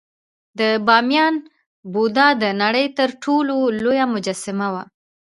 د بامیان بودا د نړۍ تر ټولو لویه مجسمه وه